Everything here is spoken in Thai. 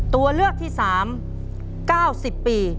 ตัวเลือกที่๓๙๐ปี